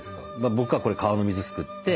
僕はこれ川の水すくって。